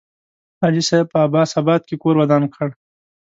حاجي صاحب په عباس آباد کې کور ودان کړ.